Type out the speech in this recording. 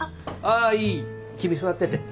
あいい君座ってて。